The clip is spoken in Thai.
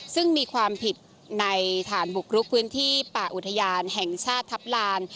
ซึ่งมีความผิดในฐานบุกรุกพื้นที่ป่าอุทยานแห่งชาติทัพลาน